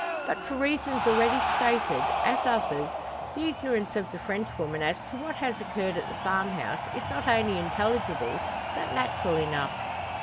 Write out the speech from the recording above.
But for reasons already stated, as others, the ignorance of the Frenchwoman as to what has occurred at the farmhouse, is not only intelligible, but natural enough.